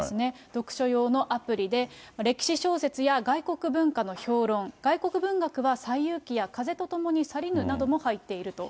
読書用のアプリで、歴史小説や外国文化の評論、外国文学は西遊記や風と共に去りぬなども入っていると。